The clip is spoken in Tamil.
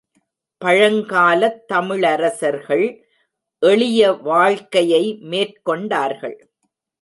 பழங்காலத் தமிழரசர்கள் எளிய வாழ்க்கையை மேற்கொண்டார்கள்.